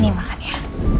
ini makan ya